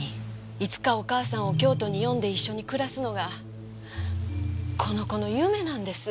いつかお母さんを京都に呼んで一緒に暮らすのがこの子の夢なんです。